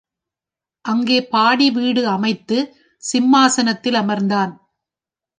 அங்கே பாடி வீடு அமைத்துச் சிம்மாசனத்தில் அமர்ந்தான்.